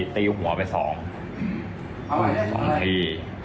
ตีหัวไปสองที